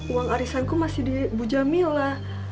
uang arisanku masih di bu jamila